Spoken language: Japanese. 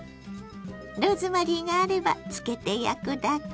ローズマリーがあれば漬けて焼くだけ。